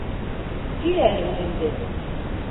Кил әле үҙеңде...